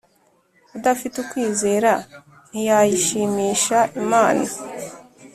udafite ukwizera ntiyayishimisha Imana